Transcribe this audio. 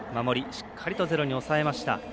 しっかりとゼロに抑えました。